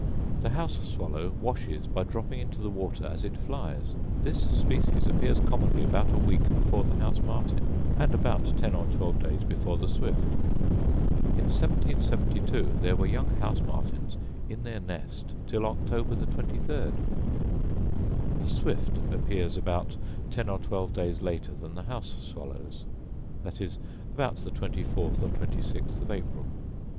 The house swallow washes by dropping into the water as it flies: this species appears commonly about a week before the house martin, and about ten or twelve days before the swift. In 1772 there were young house martins in their nest till October the twenty third. The swift appears about ten or twelve days later than the house swallow: viz., about the twenty fourth or twenty sixth of April.